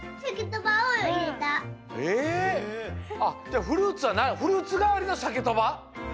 じゃあフルーツはフルーツがわりのサケとば？